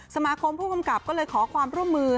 สมาคมผู้กำกับก็เลยขอความร่วมมือ